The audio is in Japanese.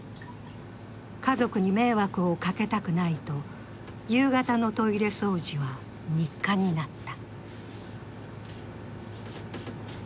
家族に迷惑をかけたくないと、夕方のトイレ掃除は日課になった。